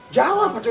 jawab pak idoi